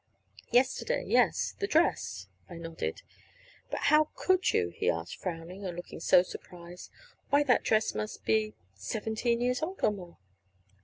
"Yesterday, yes the dress," I nodded. "But how could you?" he asked, frowning, and looking so surprised. "Why, that dress must be seventeen years old, or more."